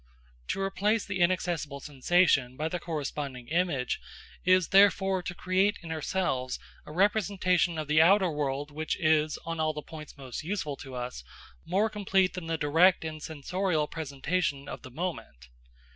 To replace the inaccessible sensation by the corresponding image, is therefore to create in ourselves a representation of the outer world which is, on all the points most useful to us, more complete than the direct and sensorial presentation of the moment.